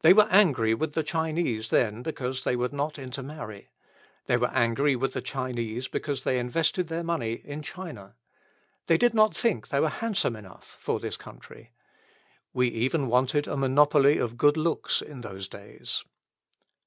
They were angry with the Chinese then because they would not intermarry. They were angry with the Chinese because they invested their money in China. They did not think they were handsome enough for this country. We even wanted a monopoly of good looks in those days.